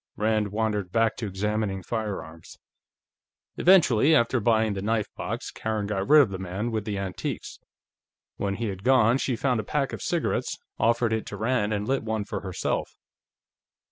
Rand wandered back to examining firearms. Eventually, after buying the knife box, Karen got rid of the man with the antiques. When he had gone, she found a pack of cigarettes, offered it to Rand and lit one for herself.